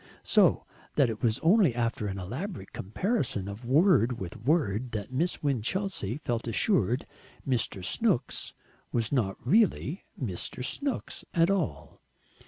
So that it was only after an elaborate comparison of word with word that Miss Winchelsea felt assured Mr. Snooks was not really "Mr. Snooks" at all!